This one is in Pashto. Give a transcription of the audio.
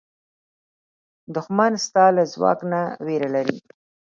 دښمن ستا له ځواک نه وېره لري